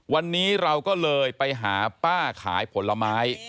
วันนี้เราก็เลยไปหาป้าขายผลไม้